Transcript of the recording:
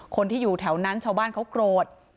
คนที่อยู่แถวนั้นชาวบ้านเขาโกรธ